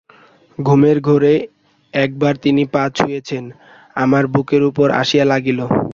ঘুমের ঘোরে একবার তিনি পা ছুঁড়িলেন, আমার বুকের উপর আসিয়া লাগিল।